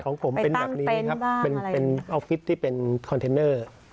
ของผมเป็นแบบนี้ครับเป็นออฟฟิศที่เป็นคอนเทนเนอร์